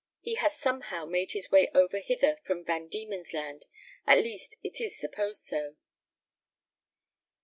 He has somehow made his way over hither from Van Dieman's Land, at least it is supposed so."